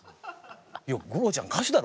「五郎ちゃん歌手だろ？